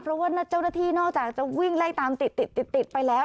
เพราะว่าเจ้าหน้าที่นอกจากจะวิ่งไล่ตามติดติดไปแล้ว